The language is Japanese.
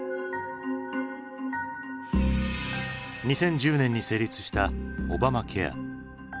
２０１０年に成立したオバマケア。